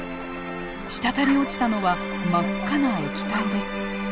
滴り落ちたのは真っ赤な液体です。